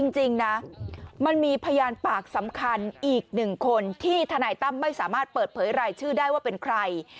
จริงนะมันมีพยานปากสำคัญอีกหนึ่งคนที่ทนายตั้มไม่สามารถเปิดเผยรายชื่อได้ว่าเป็นใคร